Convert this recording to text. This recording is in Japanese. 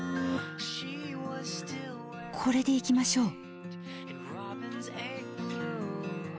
これでいきましょう。